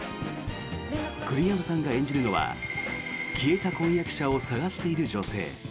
栗山さんが演じるのは消えた婚約者を捜している女性。